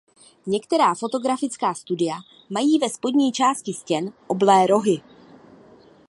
Některá fotografická studia mají ve spodní části stěn oblé rohy.